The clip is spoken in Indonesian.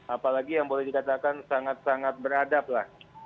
apalagi yang boleh dikatakan sangat sangat beradab lah